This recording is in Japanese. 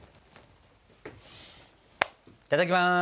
いただきます。